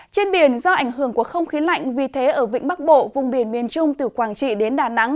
trên biển do ảnh hưởng của không khí lạnh vì thế ở vĩnh bắc bộ vùng biển miền trung từ quảng trị đến đà nẵng